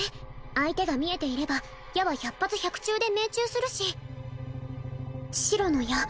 相手が見えていれば矢は百発百中で命中するし白の矢